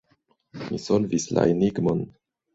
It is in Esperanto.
Mi solvis la enigmon.